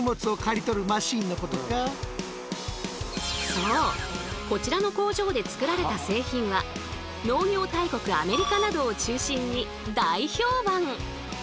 そうこちらの工場で作られた製品は農業大国アメリカなどを中心に大評判！